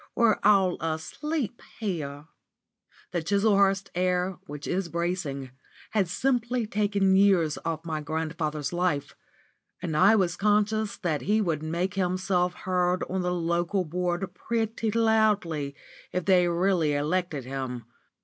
We're all asleep here." The Chislehurst air, which is bracing, had simply taken years off my grandfather's life, and I was conscious that he would make himself heard on the Local Board pretty loudly if they really elected him.